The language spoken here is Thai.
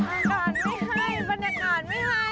อากาศไม่ให้บรรยากาศไม่ให้